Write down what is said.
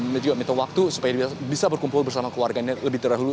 mereka juga minta waktu supaya bisa berkumpul bersama keluarganya lebih terdahulu